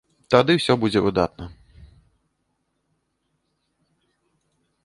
Тады ўсё будзе выдатна.